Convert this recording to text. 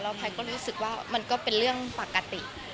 แพทย์ก็รู้สึกว่ามันก็เป็นเรื่องปกติ